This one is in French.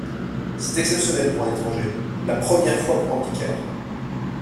C’est exceptionnel pour un étranger, la première fois pour un Picard.